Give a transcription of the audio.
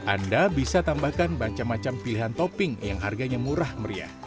anda bisa tambahkan macam macam pilihan topping yang harganya murah meriah